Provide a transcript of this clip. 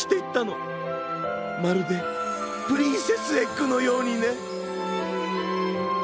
まるでプリンセスエッグのようにね。